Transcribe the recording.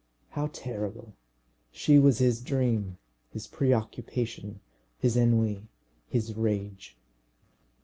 How terrible! She was his dream, his preoccupation, his ennui, his rage.